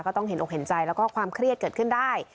ต้องเห็นอกเห็นใจแล้วก็ความเครียดเกิดขึ้นได้